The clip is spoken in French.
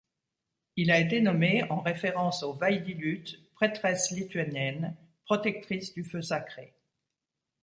Il a été nommé en référence aux Vaidilute, prêtresses lituaniennes, protectrices du feu sacré.